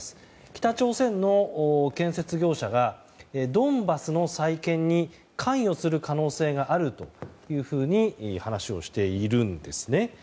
北朝鮮の建設業者がドンバスの再建に関与する可能性があると話をしているんですね。